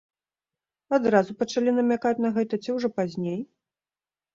Адразу пачалі намякаць на гэта ці ўжо пазней?